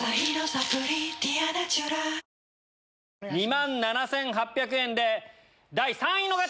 ２万７８００円で第３位の方！